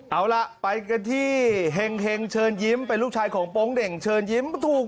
เอาล่ะไปกันที่เห็งเชิญยิ้มเป็นลูกชายของโป๊งเด่งเชิญยิ้ม